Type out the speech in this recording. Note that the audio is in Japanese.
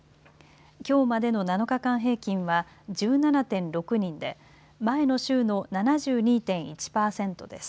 きょうまでの７日間平均は１７．６人で前の週の７２．１％です。